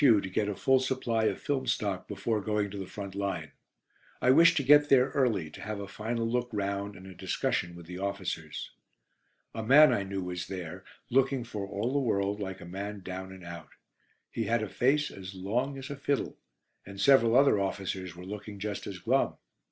to get a full supply of film stock before going to the front line. I wished to get there early, to have a final look round and a discussion with the officers. A man I knew was there, looking for all the world like a man down and out. He had a face as long as a fiddle, and several other officers were looking just as glum.